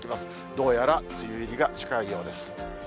どうやら梅雨入りが近いようです。